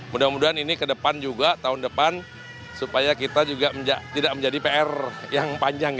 mudah mudahan ini ke depan juga tahun depan supaya kita juga tidak menjadi pr yang panjang